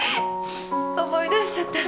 思い出しちゃった。